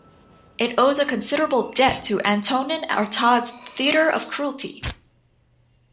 It owes a considerable debt to Antonin Artaud's "Theatre of Cruelty".